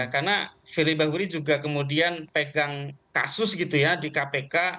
karena firly bahuri juga kemudian pegang kasus di kpk